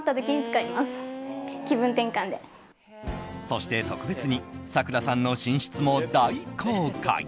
そして特別にさくらさんの寝室も大公開。